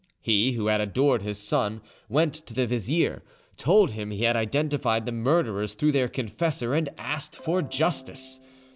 He, who had adored his son, went to the vizier, told him he had identified the murderers through their confessor, and asked for justice.